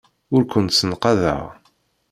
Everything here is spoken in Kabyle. Ur kent-ssenqadeɣ.